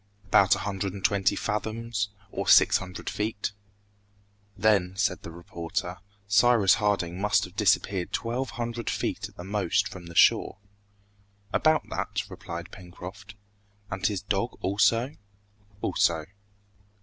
"About a hundred and twenty fathoms, or six hundred feet." "Then," said the reporter, "Cyrus Harding must have disappeared twelve hundred feet at the most from the shore?" "About that," replied Pencroft. "And his dog also?" "Also."